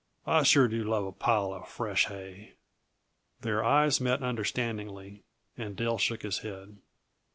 I sure do love a pile uh fresh hay." Their eyes met understandingly, and Dill shook his head.